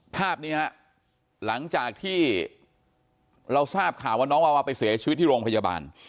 ภาพนี้ฮะหลังจากที่เราทราบข่าวว่าน้องวาวาไปเสียชีวิตที่โรงพยาบาล